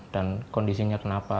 dan kondisinya kenapa